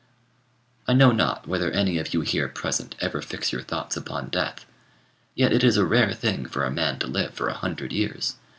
I know not whether any of you here present ever fix your thoughts upon death; yet it is a rare thing for a man to live for a hundred years.